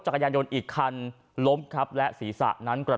การณ์อื่นครับ